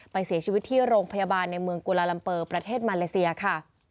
เสียชีวิตที่โรงพยาบาลในเมืองกุลาลัมเปอร์ประเทศมาเลเซียค่ะ